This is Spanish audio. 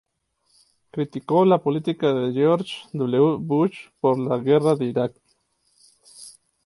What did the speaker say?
Criticó la política de George W. Bush por la guerra de Iraq.